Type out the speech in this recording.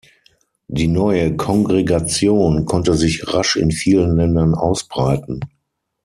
Die neue Kongregation konnte sich rasch in vielen Ländern ausbreiten.